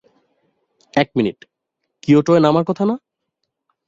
এক মিনিট, কিয়োটোয় নামার কথা না?